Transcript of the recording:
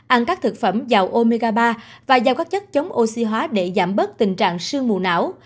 ăn các thực phẩm giàu omiga và giao các chất chống oxy hóa để giảm bớt tình trạng sương mù não